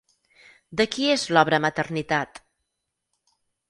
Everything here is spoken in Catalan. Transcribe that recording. De qui és l'obra Maternitat?